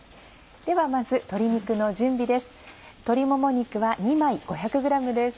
ではまず鶏肉の準備です。